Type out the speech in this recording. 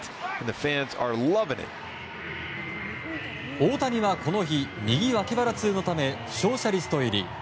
大谷はこの日右脇痛のため負傷者リスト入り。